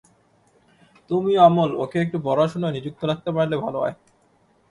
তুমি, অমল, ওকে একটু পড়াশুনোয় নিযুক্ত রাখতে পারলে ভালো হয়।